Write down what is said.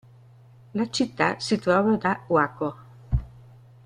La città si trova da Waco.